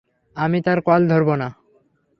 আমি তার কল ধরবো না।